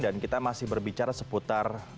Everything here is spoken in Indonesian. dan kita masih berbicara seputar